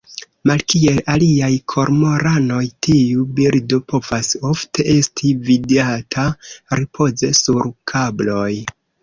Malkiel aliaj kormoranoj, tiu birdo povas ofte esti vidata ripoze sur kabloj.